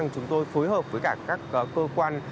chúng tôi phối hợp với các cơ quan